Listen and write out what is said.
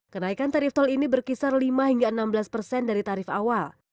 kenaikan tarif tol ini berkisar lima hingga enam belas persen dari tarif awal